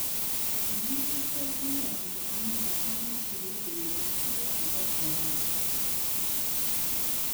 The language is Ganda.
Omuntu ateegomba mu bulamu nga talina kiruubirirwa tasobola kugaggawala.